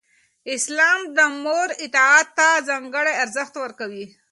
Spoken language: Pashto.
اسلام د مور اطاعت ته ځانګړی ارزښت ورکوي.